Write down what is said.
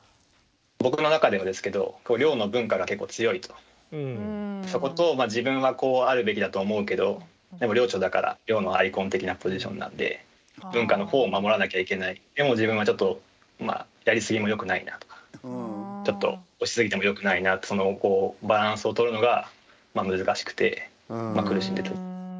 僕の中ではですけど寮の文化が結構強いとそこと自分はこうあるべきだと思うけどでも寮長だから寮のアイコン的なポジションなので文化の方を守らなきゃいけないでも自分はちょっとまあやりすぎもよくないなとかちょっと押しすぎてもよくないなってそのバランスをとるのがまあ難しくて苦しんでたところも。